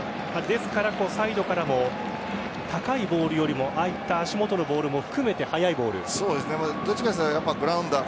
ですからサイドからも高いボールよりもああいった足元のボールも含めてどちらかといえばグラウンダー。